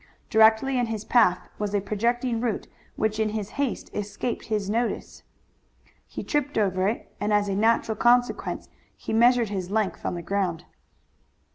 Directly in his path was a projecting root which in his haste escaped his notice. He tripped over it, and as a natural consequence he measured his length on the ground.